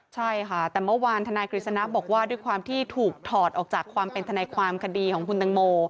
ใช่ค่ะแต่เมื่อวานธนายกฤษณะบอกว่าด้วยความที่ถูกถอดออกจากความเป็นทนายความคดีของคุณตังโม